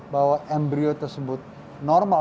bahwa embryo tersebut normal